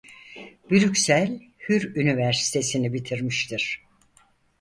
Brüksel Hür Üniversitesi'ni bitirmiştir.